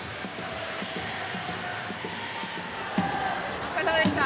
お疲れさまでした。